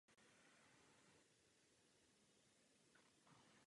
Protestující se shromažďovali hlavně na Václavském náměstí.